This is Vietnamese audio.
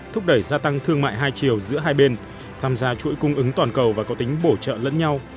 thúc đẩy gia tăng thương mại hai chiều giữa hai bên tham gia chuỗi cung ứng toàn cầu và có tính bổ trợ lẫn nhau